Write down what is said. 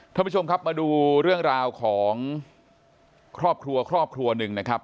ท่านผู้ชมครับมาดูเรื่องราวของครอบครัวครอบครัวหนึ่งนะครับ